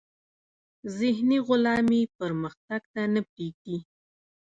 ذهني غلامي پرمختګ ته نه پریږدي.